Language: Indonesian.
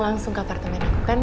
langsung kabar temen aku kan